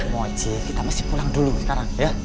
moci kita mesti pulang dulu sekarang ya